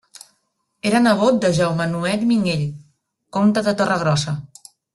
Era nebot de Jaume Nuet Minguell, comte de Torregrossa.